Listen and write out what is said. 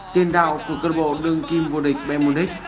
tiên đạo của cơ đội bộ đương kim vua địch bayern munich